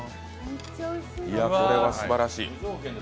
これはすばらしい。